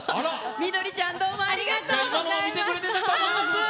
みどりちゃんどうもありがとうございました。